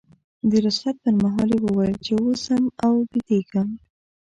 د رخصت پر مهال یې وویل چې اوس ځم او بیدېږم.